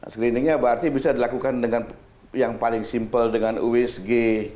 screeningnya berarti bisa dilakukan dengan yang paling simpel dengan usg